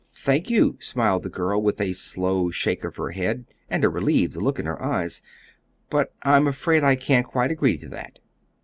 "Thank you," smiled the girl, with a slow shake of her head and a relieved look in her eyes; "but I'm afraid I can't quite agree to that."